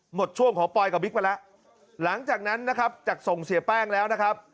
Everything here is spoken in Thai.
หมดช่วงของปอยกับบิ๊กไปแล้วหลังจากนั้นนะครับจากส่งเสียแป้งแล้วนะครับ